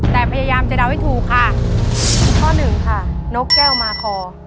ตัวเลือดที่๓ม้าลายกับนกแก้วมาคอ